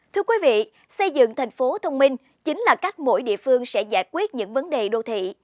thưa quý vị xây dựng thành phố thông minh chính là cách mỗi địa phương sẽ giải quyết những vấn đề đô thị